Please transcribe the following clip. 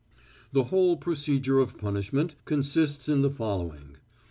"The whole procedure of punishment consists in the following.